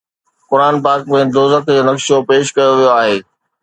قرآن پاڪ ۾ دوزخ جو نقشو پيش ڪيو ويو آهي